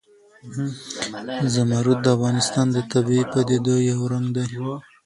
زمرد د افغانستان د طبیعي پدیدو یو رنګ دی.